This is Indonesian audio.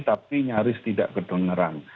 tapi nyaris tidak kedengeran